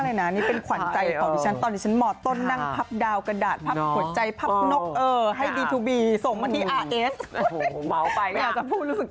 เราก็แจ้งช่องทางเราแล้วกันนะ